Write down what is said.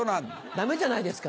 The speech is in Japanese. ダメじゃないですか。